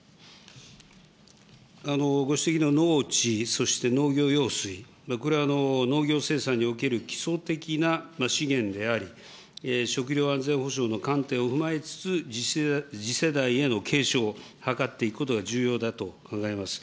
ご指摘の農地、そして農業用水、これは農業生産における基礎的な資源であり、食料安全保障の観点を踏まえつつ、次世代への継承を図っていくことが重要だと考えます。